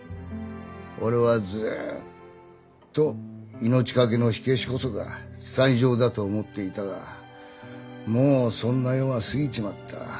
俺はずっと命懸けの火消しこそが最上だと思っていたがもうそんな世は過ぎちまった。